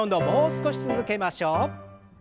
もう少し続けましょう。